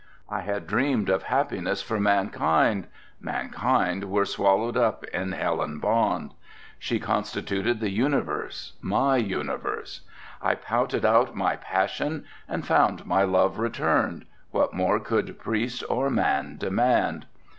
I had dreamed of happiness for mankind, mankind were swallowed up in Helen Bond. She constituted the universe, my universe. I pouted out my passion and found my love returned, what more could priest or man demand?